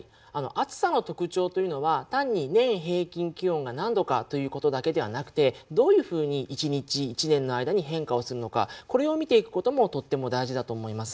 暑さの特徴というのは単に年平均気温が何度かということだけではなくてどういうふうに一日一年の間に変化をするのかこれを見ていくこともとっても大事だと思います。